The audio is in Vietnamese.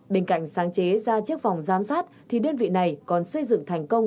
bên cạnh sáng chế ra chiếc phòng giám sát thì đơn vị này còn xây dựng thành công